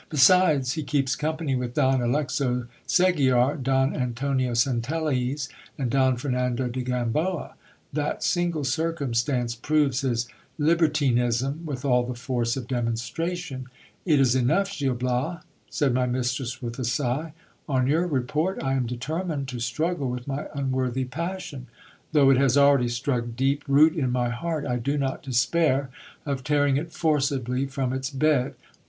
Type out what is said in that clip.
Besides, he keeps company with Don Alexo Segiar, Don Antonio Centelles, and Don Fernando de Gamboa ; that single circumstance proves his libertinism with all the force of demonstration. It is enough, Gil Bias, said my mistress with a sigh ; on your report I am determined to struggle with my unworthy passion. Though it has already struck deep root in my heart, I do not despair of tearing it forcibly from its bed.